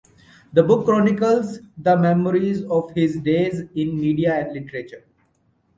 The book chronicles the memories of his days in media and literature.